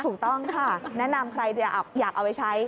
ถูกต้องค่ะแนะนำใครจะอยากเอาไปใช้